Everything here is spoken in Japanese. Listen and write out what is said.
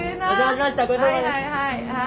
はい。